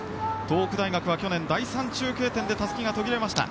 東北大学は去年、第３中継点でたすきが途切れました。